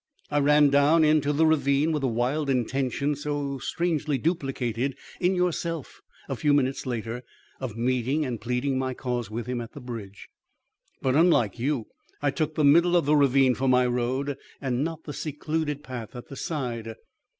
I ran down into the ravine with the wild intention, so strangely duplicated in yourself a few minutes later, of meeting and pleading my cause with him at the bridge, but unlike you, I took the middle of the ravine for my road and not the secluded path at the side.